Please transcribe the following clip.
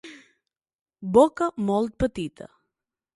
Boca molt petita.